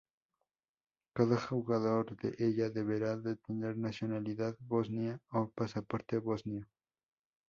Cada jugador de ella deberá de tener nacionalidad bosnia o pasaporte bosnio.